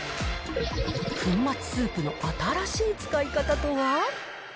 粉末スープの新しい使い方とは？